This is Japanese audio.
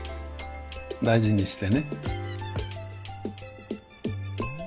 大事にしてね。